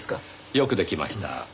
よくできました。